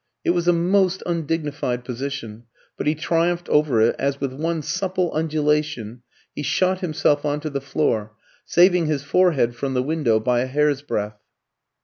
It was a most undignified position; but he triumphed over it, as, with one supple undulation, he shot himself on to the floor, saving his forehead from the window by a hair's breath.